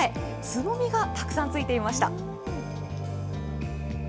つぼみがたくさんついていました。